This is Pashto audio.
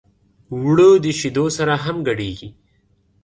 اوړه د شیدو سره هم ګډېږي